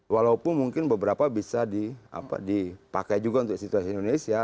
walaupun mungkin beberapa bisa dipakai juga untuk situasi indonesia